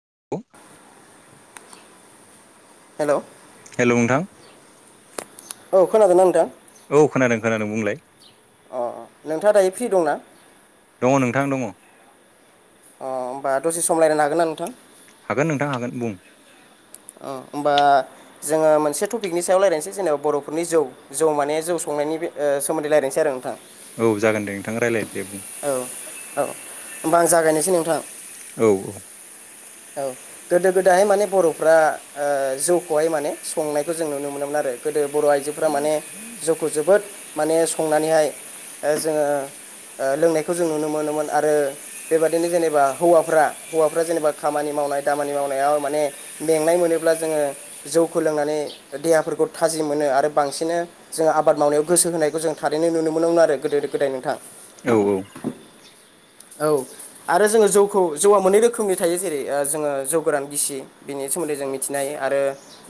[unintelligible] Hello hello नोंथां औ खोनादों ना नोंथां? औ खोनादों खोनादों बुंलाय। अ नोंथाङा दायो फ्रि दंना? दङ नोंथां दङ। अ होमबा दसे सम रायलायनो हागोन ना नोंथां? हागोन नोंथां हागोन बुं। अ होमबा जोङो मोनसे टपिकनि सायाव रायज्लायनोसै जेनेबा बर'फोरनि जौ जौ माने जौ सं नायनि ओ सोमोन्दै रायलायनोसै आरो नोंथां। औ जागोन दे नोंथां रायलाय। दे बुं औ औ होमबा आं जागायनोसै नोंथां। औ औ। औ गोदो गोदाय माने बर'फ्रा ओ जौखौहाय माने संनायखौ जों नुनो मोनोमोन आरो। गोदो बर' आइजोफ्रा माने जौखौ जोबोद माने संनानैहाय ओ जोङो ओ लोंनायखौ जों नुनो मोनोमोन आरो बेबादिनो जेनेबा हौवाफ्रा हौवाफ्रा जेनेबा खामानि मावनाय दामानि मावनायाव माने मेंनाय मोनोब्ला जोङो जौखौ लोंनानै देहाफोर खौ थाजि मोनो आरो बांसिन जोंङो आबाद मावनायाव गोसो होनायखौ जों थारैनो नुनो मोनोमोन आरो गोदो गोदाय नोंथां। औ औ। औ आरो जोङो जौखौ जौआ मोननै रोखोमनि थायो जेरै ओ जोङो जौ गोरान गिसि बिनि सोमोन्दै जों मिथिनो हायो आरो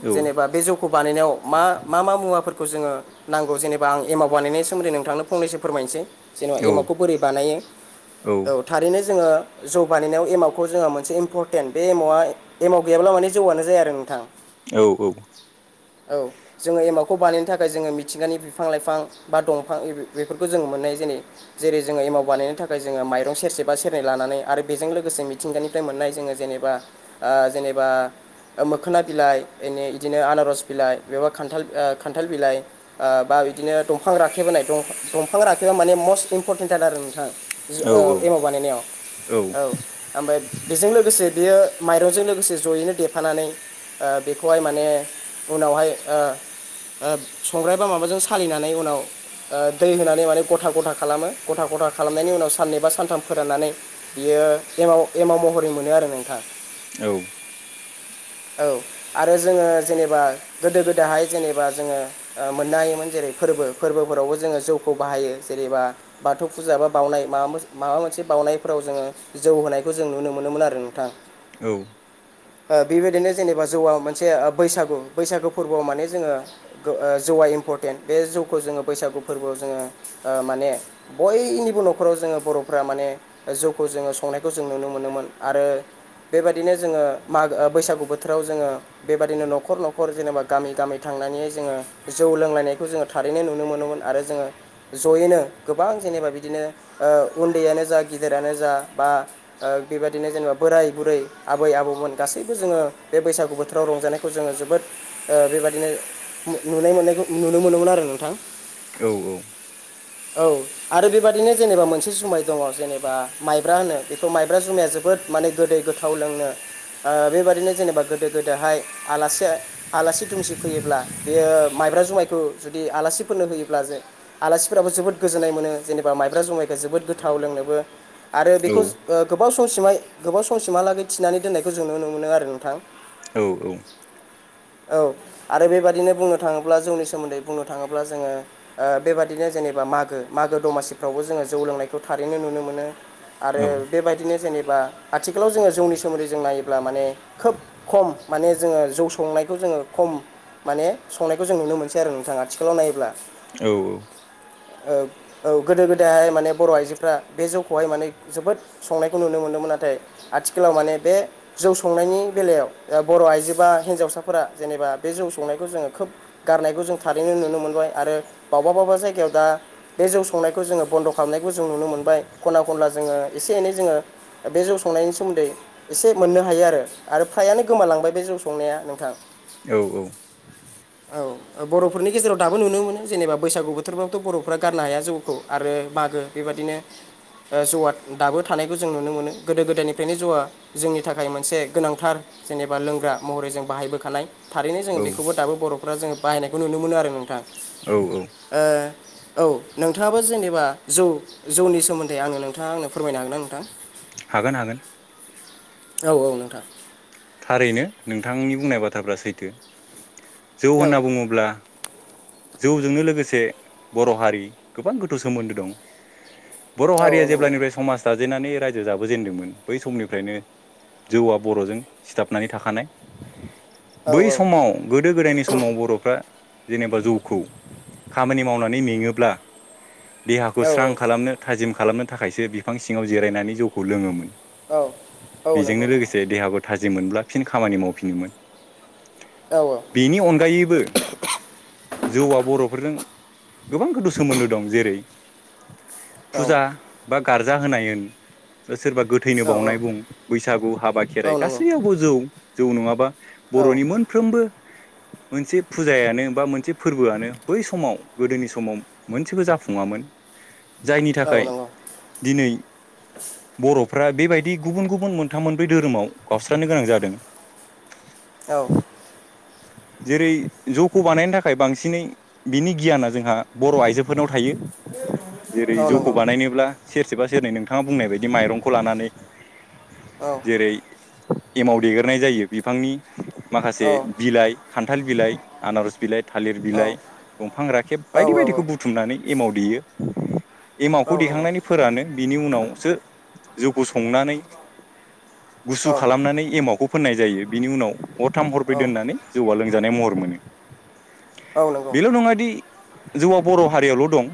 औ जेनेबा बे जौ बानायनायाव मा मा मा मुवाफोरखौ जोङो नांगौ जेनेबा आं एमाव बानायनायनि सोमोन्दै नोंथांनो फंनैसो फोरमायनोसै। जेन'बा औ एमावखौ बोरै बानायो औ थारैनो जोङो जौ बानायनायाव एमावखौ जोंहा मोनसे इम्परटेन्ट बे एमावआ एमाव गैयाब्ला माने जौआनो जाया आरो नोंथां। औ औ जोङो एमाउखौ बानायनो थाख खाय जोङो मिथिंगानि बिफां लाइफां बा दंफां बेफोरखौ जोङो मोननाय जायो जेरै जोङो एमाव बानायनो थाखाय जोङो माइ रं सेरसे बा सेरनै लानानै आरो बेजों लोगोसे मिथिंगानिफ्राय मोननाय जोङो जेनेबा ओ जेनेबा ओ मोखोना बिलाइ बिदिनो आनारस बिलाइ एबा खान्थाल ओ खान्थाल बिलाइ ओ बा बिदिनो दंफां राखेब होनाय दंफां राखेबा माने मस्ट इम्परटेन्ट आरो नोंथां। औ एमाव बानायनायाव औ ओमफ्राय बेजों लोगोसे बेयो माइरंजों लोगोसे जयैनो देफानानै ओ बेखौहाय माने उनावहाय ओ ओ संग्राय बा माबाजों सालिनानै उनाव ओ दै होनानै माने गथा गथा खालामो गथा गथा खालामनायनि उनाव साननै बा सा सानथाम फोराननानै बियो एमाव एमाव महरै मोनो आरो नोंथां। औ। [inaudible] औ आरो जोङो जेनेबा गोदो गोदायहाय जेनेबा जोङो मोननो हायोमोन जेरै फोरबो फोरबोफोरावबो जोङो जौखौ बाहायो जेनेबा बाथौ फुजा बा बावनाय माबा माबा मोनसे बावनायफोराव जोङो जौ होनायखौ जों नुनो मोनोमोन आरो नोंथां। औ। ओ बेबायदिनो जेनेबा जौवा मोनसे ओ बैसागु बैसागु फोरबोआव माने जोङो गो ओ जौ इम्परटेन्ट बे जौखौ जोङो बैसागु फोरबोआव जोङो ओ माने बयनिबो न'खराव जोङो बर' फोरा माने जौखौ जोङो संनायखौ जों नुनो मोनोमोन आरो बेबायदिनो जोङो मागो बैसागु बोथोराव जोङो बेबायदिनो न'खर न'खर जेनेबा गामि गामि थाङ नानै हाय जोंङो जौ लोंलायनायखौ जोङो थारैनो नुनो मोन आरो जोङो जैयैनो गोबां जे जेनेबा बिदिनो ओ उन्दैयानो जा गिदिरानो जा बा ओ बेबायदिनो जेनेबा बोराय बुरै आबै आबौमोन गा गासैबो जोङो बे बैसागु बोथोराव रंजानायखौ जोङो जोबोद ओ बेबादिनो नुनो मोननायखौ नुनो मोनोमोन आरो नोंथां। औ औ। औ आरो बेबादिनो जेनेबा मोनसे जुमाय दङ जेनेबा माइब्रा होनो। बेखौ माइब्रा जुमाया जोबोद माने गोदै गोथाव लोंनो ओ बेबायदिनो जेनेबा गोदो गोदोहाय आलासि आलासि दुमसि फैयोब्ला बेयो माइ माइब्रा जुमायखौ जुदि आलासिफोरनो होयोब्ला जे आलासिफोराबो जोबोर गोजोननाय मोनो जेनेबा माइब्रा जुमायखौ जोबोद गोथाव लोंनोबो आरो बेखौ ओ गोबाव समसिमहाय गोबाव समसिमहालागै थिनानै दोननायखौ जों नुनो मोनो आरो नोंथां औ औ [inaudible] [unintelligible] औ आरो बेबाददिनो बुंनो थाङोब्ला जौनि सोमोन्दै बुंनो थाङोब्ला जोङो बेबादिनो जेनेबा मागो मागो दमासिफ्रावबो जोङो जौ लोंनायखौ थारैनो नुनो मोनो आरो बेबायदिनो जेनेबा आथिखालाव जोङो जौनि सोमोन्दै जों नायोब्ला माने खोब खम माने जोङो जौ संनायखौ जों जोङो खम माने संनायखौ जों नुनो मोनसै आरो नोंथाङा आथिखालाव नायोब्ला औ औ औ औ गोदो गोदायहाय माने बर' आइजोफ्रा बे जौखौहाय माने जोबोद संनायखौ नुनो मोनदोंमोन नाथाय आथिखालाव माने बे जौ संनायनि बेलायाव बर' आइजो बा हिन्जावसाफोरा जेनेबा बे जौ संनायखौ जोङो खोब गार खौ जों थारैनो नुनो मोनबाय आरो बबाब जायगायाव दा बे जौ संनायखौ जोङो बन्द' खालाम फामनायखौ जों नुनो मोनबाय खना खनला जोङो एसे एनै जोङो बे जौ संनायनि सोमोन्दै एसे मोननो हायो आरो फ्रायानो गोमालांबाय बे जौ संनाया नोंथां औ औ औ बर'फोरनि गेजेराव दाबो नुनो मोनो जेनेबा बैसागु बोथोरबबोथ' बर'फ्रा गारनो हाया जौखौ आरो बागो बेबदिनो जौआ दाबो थानायखौ जों नुनो मोनो गोदो गोदायनिफ्रायनो जौआ जोंनि थाखाय मोनसे गोनांथार जेनेबा लोंग्रा महरै जों बाहायबोखानाय थारैनो जोङो बेखौबो दाबो बर'फ्रा जोङो बाहायनायखौ नुनो मोनो आरो नोंथां। औ औ ओ औ नोंथाङाबो जेनेबा जौ जौनि सोमोन्दै आंनो नोंथाङा आंनो फोरमायनो हागोन ना नोंथां। हागोन हागोन। औ औ नोंथां थारैनो नोंथांनि बुंनाय बाथ्राफ्रा सैथो जौ औ होनना बुङोब्ला। जौजोंनो लोगोसे बर' हारि गोबां गोथौ सोमोन्दो दं। बर' औ हारिया औ नंगौ जेब्लानिफ्राय समाजा। जाजेनानै रायजो जाबोजेनदोंमोन बै समनिफ्रायनो जौआ बर'जों सिथाबनानै थाखानाय। [inaudible] [inaudible] बै औ समाव गोदो गोदायनि समाव बर'फ्रा जेनेबा जौखौ खामानि मावनानै मेङोब्ला देहाखौ औ स्रां खालामनो थाजिम खालाम। खालामनो थाखायसो बिफां सिङाव जिरायनानै जौखौ लोङोमोन औ औ नंगौ बेजोंनो नंगौ लोगोसे देहाबो। थाजि मोनब्ला फिन खामानि मावफिनोमोन औ बेनि अनगायैबो जौआ बर'फोरजों। गोबां गोदो सोमोन्दो दं जेरै फुजा बा। गारजा होनाय होन सोरबा गोथैनो औ औ बावनाय बुं बैसागु हाबा औ खेराइ नंगौ गासैयावबो जौ- जौ नङाबा औ बर'नि मोनफ्रोमबो [unintelligible] [inaudible] मोनसे फुजायानो बा मोनसे फोरबोआनो बै समाव गोदोनि समाव मोनसेबो जाफुङामोन। [unintelligible] [inaudible] जायनि औ थाखाय नंगौ दिनै बर' फ्रा- बेबायदि गुबुन गुबुन मोनथाम मोनब्रै धोरोमाव गावस्रानो गोनां जादों। औ जेरै- जौखौ बानायनो थाखाय बांसिनै बिनि गियाना जोंहा बर' आइजोफोरनाव थायो। औ जेरै- जौखौ नंगौ बानायनोब्ला सेरसेबा दिनै नोंथाङा बुंनाय बायदि माइरंखौ लानानै औ जेरै- एमाव देगेरनाय जायो बिफांनि माखासे औ बिलाइ खान्थाल बिलाइ आनारस बिलाइ थालिर औ बिलाइ दंफां राखेब औ बायदि बायदिखौ बुथुमनानै एमाव देयो औ नंगौ औ एमावखौ नंगौ देखांनानै फोरानो बिनि उनावसो जौखौ संनानै औ गुसु खालामनानै एमावखौ फोननाय जायो। बिनि उनाव हरथाम हरबै औ दोननानै जौआ लोंजानाय महर मोनो। औ नंगौ बेल' नङा दि जौवा बर' हारियावल' दं।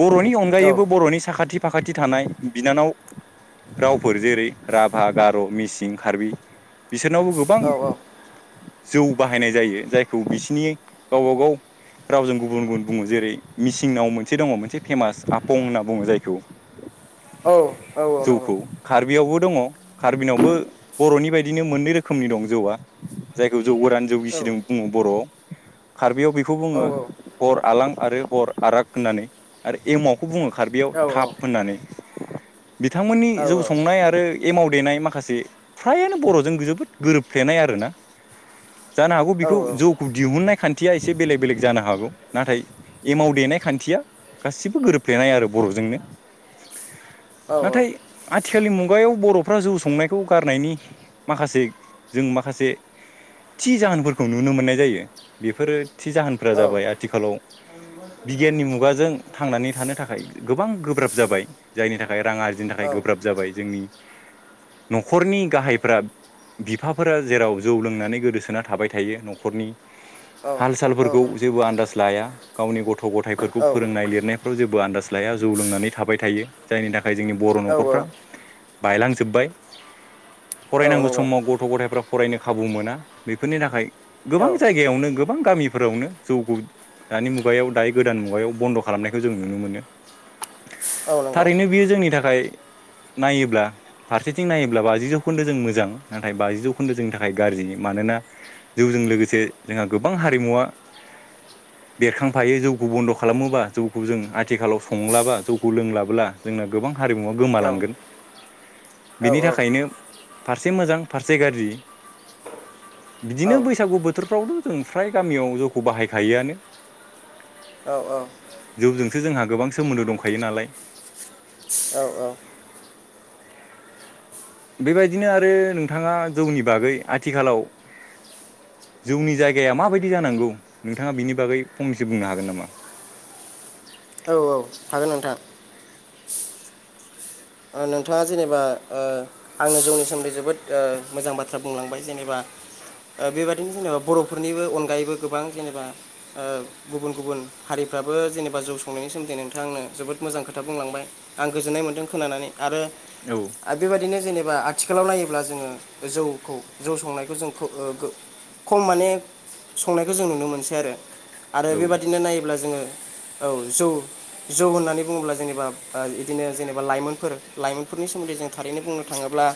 बर'नि औ अनगायैबो बर'नि साखाथि फाखाथि थानाय बिनानाव रावफोर जेरै राभा र', मिसिं, कार्बि बिसोरनावबो गोबां जौ बाहायनाय जायो। जायखौ बिसिनि गावबा गाव रावजों गुबुन गुबुन बुङो। जेरै मिसिंनाव मोनसे दङ मोनसे फेमास आपं होनना बुङो जायखौ। औ औ औ नंगौ। बियावबो दङ, कार्बिनावबो बर'नि बायदिनो मोननै रोखोमनि दं जौवा, जायखौ जौ गोरान औ नंगौ औ नंगौ औ जौगिसिदों बुङो बर'वाव। कार्बियाव बेखौ बुङो गर आलां आरो गर आराग होननानै आरो एमाव खौ बुङो खार्बियाव औ औ थाब होननानै। बिथांमोननि जौ संनाय आरो एमाव देनाय माखासे फ्रायानो बर'जों जोबोद गोरोबफ्लेनाय आरोना। जानो हागौ बेखौ जौखौ दिहुननाय खान्थिया एसे बेलेग बेलेग जानो हागौ। नाथाय एमाव देनाय खान्थिया गासिबो गोरोबफ्लेनाय आरो बर'जोंनो। नाथाय आथिखालनि मुगायाव बर' फ्रा जौ संनायखौ गारनायनि माखासे जों माखासे थि जाहोनफोरखौ नुनो मोननाय जायो। बेफोरो थि जाहोनफोरा जाबाय आथिखालाव बिगियाननि मुगाजों थांनानै थानो थाखाय गोबां गोब्राब जाबाय। जायनि थाखाय रां आरजिनो थाखाय गोब्राब जाबाय जोंनि न'खरनि गाहायफ्रा बिफाफोरा जेराव जौ लोंनानै गोदोसोना थाबाय थायो। न'खरनि हाल सालफोरखौ जेबो आन्दाज लाया गावनि ग' थ' गथायफोरखौ फोरोंनाय लिरनायफ्राव जेबो आन्दाज लाया, जौ लोंनानै थाबाय थायो जायनि था खाय जोंनि बर' न'खरफ्रा बायलांजोब्बाय। फरायनांगौ समाव गथ' गथायफ्रा फरायनो खाबु मोना। बेफोरनि थाखाय गोबां जायगायावनो गोबां गामि फोरावनो जौखौ दानि मुगायाव दायो गोदान मुगायाव बन्द' खालामनायखौ जों नुनो मोनो। थारैनो बियो जोंनि थाखाय नायोब्ला फारसेथिं नायोब्ला बाजि जौखोन्दो जों मोजां नाथाय बाजि जौखोन्दो जोंनि थाखाय गाज्रि। मानोना जौजों जों लोगोसे जोंहा गोबां हारिमुवा बेरखांफायो जौखौ बन्द' खालामोबा जौखौ जों आथिखालाव संलाबा जौखौ लोंलाबोला जोंना गोबां हारिमुवा गोमालांगोन। बिनि थाखायनो फारसे मोजां फारसे गारजि बिदिनो बैसागु बोथोरफ्रावबो जों फ्राय गामियाव जौखौ बाहायखायोआनो। जौजोंसो जोंहा गोबां सोमोन्दो दंखायो नालाय औ औ बेबायदिनो आरो नोंथाङा जौनि बागै आथिखालाव जौनि जायगाया माबायदि जानांगौ नोंथाङा बिनि बागै फंनैसो बुंनो हागोन नामा? औ औ हागोन नोंथां नोंथाङा जेनेबा ओ आंनो जौनि सोमोन्दै जोबोद ओ मोजां बाथ्रा बुंलांबाय जेनेबा बेबादिनो जेनेबा बर'फोरनिबो अनगायैबो गोबां जेनेबा ओ गुबुन गुबुन हारि फ्राबो जेनबा जौ संनायनि सोनदै नोंथाङा आंनो जोबोद मोजां खोथा बुंलांबाय आं गोजोननाय मोनदों खोनानानै औ आरो बेबायदिनो जेनेबा आथिखालाव नायो अब्ला जोङो जौखौ जौ संनायखौ जों ओ खम माने संनायखौ जों नुनो मोनसै आरो आरो औ बेबादिनो नायोब्ला जोङो औ जौ जौ होननानै बुङोब्ला जेनेबा बिदिनो जेनेबा लाइमोनफोर लाइमोनफोरनि सोमोन्दै जों थारैनो बुंनो थाङोब्ला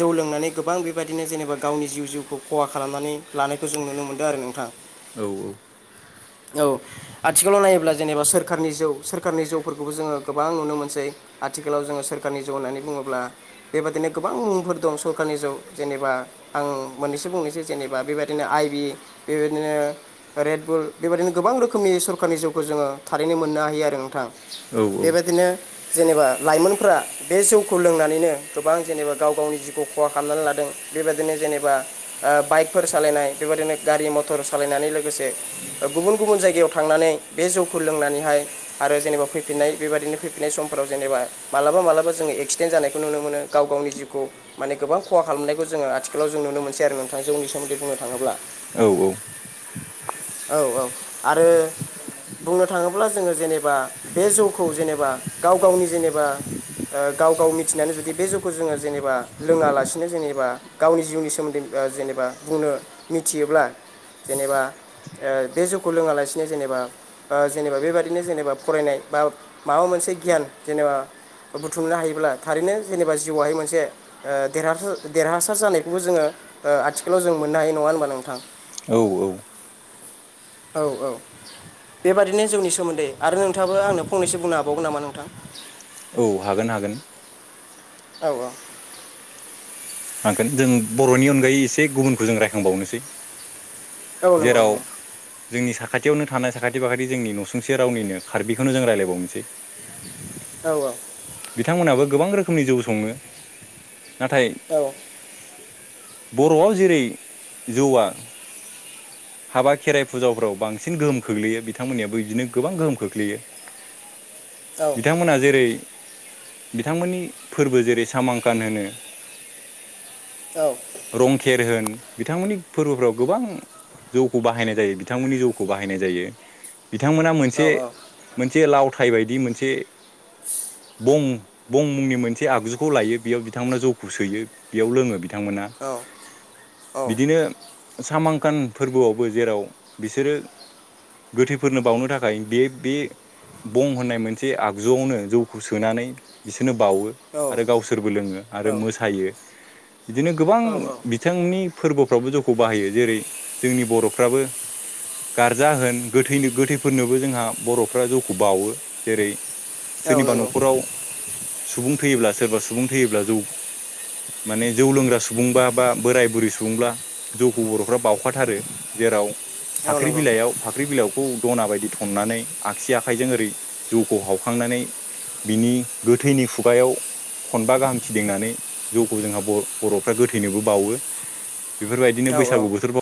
जौ लोंनानै गोबां बेबायदिनो जेनेबा गावनि जिउ जिउखौ खहा खालामनानै लानायखौ जों नुनो मोनदों आरो नोंथां औ औ औ आथिखालाव नायोब्ला जेनेबा सोरखारनि जौ सोरखारनि जौफोरखौबो जोङो गोबां नुनो मोनसै आथिखालाव जोङो सोर सरखारनि जौ होन्नानै बुङोब्ला बेबायदिनो गोबां मुंफोर दं सरखारनि जौ जेनेबा आं मोन बुंनोसै जेनेबा बेबायदिनो आइ बि बेबायदिनो रेडबुल बेबायदिनो गोबां रोखोमनि सर जौखौ जोङो थारैनो मोननो हायो आरो नोंथां औ बेबायदिनो जेनेबा लाइमोनफ्रा बे जौखौ लोंनानैनो गोबां जेनेबा गाव गावनि जिउखौ खहा खालामनानै लादों बेबायदिनो जेनेबा ओ बाइकफोर सालायनाय बेबायाददिनो गारि मथर सालायनानै लोगोसे गुबुन गुबुन जायगायाव थांनानै बे जौखौ लोंनानैहाय आरो जेनेबा फैफिननाय बेबायदिनो फैफिननाय समाव जेनेबा मालाबा मालाबा जों एक्सिडेन्ट जानायखौ नुनो मोनो गाव गावनि जिउखौ माने गोबां खहा खालामनायखौ जोङो आथिखालाव जों नुनो मोनसै आरो नोंथां जौनि सोमोन्दै बुंनो थाङोब्ला औ औ औ आरो बुंनो थाङोब्ला जोङो। जेनेबा बे जौखौ जेनेबा गाव गावनि जेनेबा गाव गाव मिथिनानै जुदि बे जौखौ जोङो जेनेबा लोङालासिनो जेनेबा गावनि जिउनि सोमोन्दै ओ जेनेबा बुंनो मिथियोब्ला जेनेबा ए बे जौ खौ लोङा लासिनो जेनेबा ओ जेनेबा बेबाददिनो जेनेबा फरायनाय बा माबा मोनसे गियान जेने ओ बुथुमनो हायोब्ला थारैनो जेनेबा जिउआवहाय मोनसे ओ देरहास देरहासार जानायखौबो जोङो ओ आथिखालाव जों मोननो हायो नङा होनबा नोंथां औ औ [inaudible] औ औ बेबादिनो जौनि सोमोन्दै आरो नोंथाङाबो आंनो फंनैसो बुंनो हाबावगोन नामा नोंथां? औ हागोन हागोन। औ औ हागोन जों बर'नि अनगायै एसे गुबुनखौ जों रायखांबावनोसै औ नंगौ जेराव नंगौ जोंनि सा खाथियावनो थानाय साखाथि फाखाथि जोंनि न'सुंसे रावनिनो कार्बिखौनो जों रायजलायबावनोसै औ बिथांमोनाबो गोबां रोखोमनि जौ सङो नाथाय औ बर'आव जेरै जौवा हाबा खेराइ फुजाफ्राव बांसिन गोहोम खोख्लैयो बिथांमोननियाबो बिदिनो गोबां गोहोम खोख्लैयो। [inaudible] औ बिथांमोना जेरै बिथांमोननि फोरबो जेरै सामांखान होनो औ रंखेर होन बिथांमोननि फोरबोफोराव गोबां जौखौ बाहायनाय जायो बिथांमोननि जौखौ बाहायनाय जायो बिथांमोना मोनसे मोनसे लाव थाय बायदि मोनसे बं-बं मुंनि मोनसे आगजुखौ लायो बेयाव बिथांमोना जौखौ सोयो बेयाव लोङो बिथांमोना बिदिनो सामांखान फोरबोआवबो जेराव बिसोरो गोथैफोरनो बावनो थाखाय बे-बे बं होननाय मोनसे आगजुआवनो जौखौ सोनानै बिसोर नो बावो आरो गावसोरबो लोङो आरो मोसायो बिदिनो गोबां औ बिथांनि फोरबोफ्रावबो जौखौ बाहायो। जेरै जोंनि बर'फ्राबो गार्जा होन गोथैनो-गोथैफोरनोबो जोंहा बर'फ्रा जौखौ बावो जेरै औ सोरनिबा नंगौ न'खराव सुबुं थैयोब्ला सोरबा सुबुं थैयोब्ला जौ माने जौ लोंग्रा सुबुंबा बा बोराय बुरै सुबुंब्ला जौखौ बर'फ्रा बाव खाथारो जेराव औ फाख्रि नंगौ बिलाइयाव फाख्रि बिलावखौ दना बायदि थननानै आगसि आखाइजों ओरै जौखौ हावखांनानै बिनि गोथैनि खुगायाव खनबा गाहाम फिदिंनानै जौखौ जोंहा ब-बर'फ्रा गोथैनोबो बावो। बेफोरबायदिनो औ औ बैसागु बोथोरफ्राव